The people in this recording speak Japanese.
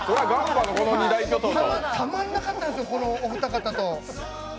たまんなかったんです、このお二方と。